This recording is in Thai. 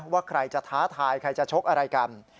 ว่าใครจะท้าทายใครจะชกอะไรกัน